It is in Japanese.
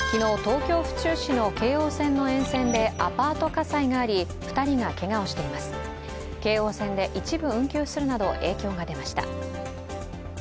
京王線で一部運休するなど、影響が出ました。